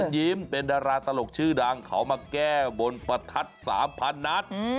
ยิ้มเป็นดาราตลกชื่อดังเขามาแก้บนประทัด๓๐๐นัด